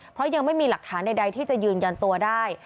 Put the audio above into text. เพราะยังไม่มีหลักฐานใดที่จะยืนยันตัวได้